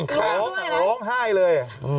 เขาร้องไห้เลย